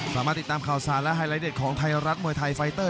สามารถติดตามข่าวสารและไฮไลท์เด็ดของไทยรัฐมวยไทยไฟเตอร์